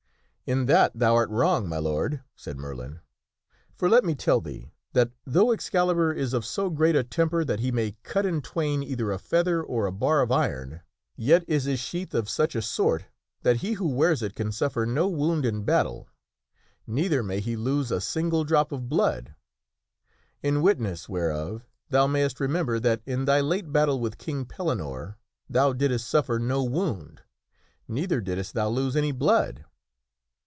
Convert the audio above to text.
" In that thou art wrong, my Lord," said Merlin, "for let me tell thee, that though Excalibur is of so great a temper that he may cut in twain either a feather or a bar of iron, yet is his sheath of such a sort that he who wears it can suffer no wound in battle, neither may he lose a single drop of blood. In witness whereof, thou mayst remember that, in thy late battle with King Pellinore, thou didst suffer no wound, neither didst thou lose any blood."